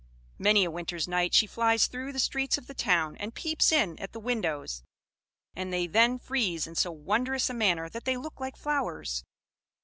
Many a winter's night she flies through the streets of the town, and peeps in at the windows; and they then freeze in so wondrous a manner that they look like flowers."